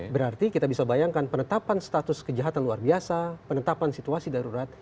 berarti kita bisa bayangkan penetapan status kejahatan luar biasa penetapan situasi darurat